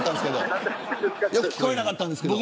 よく聞こえなかったんですけど。